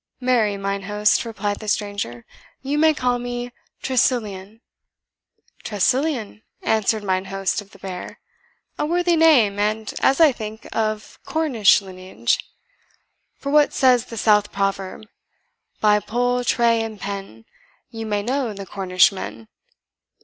"Marry, mine host," replied the stranger, "you may call me Tressilian." "Tressilian?" answered mine host of the Bear. "A worthy name, and, as I think, of Cornish lineage; for what says the south proverb 'By Pol, Tre, and Pen, You may know the Cornish men.'